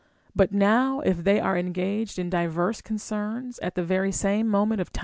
But now if they are engaged in diverse concerns at the very same moment of time, and * II.